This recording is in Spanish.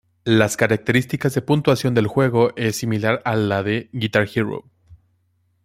Las características de puntuación del juego es similar a la de "Guitar Hero".